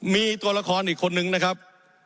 มีตัวละครอีกคนนึงนะครับ